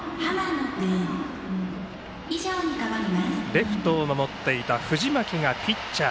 レフトを守っていた藤巻がピッチャー。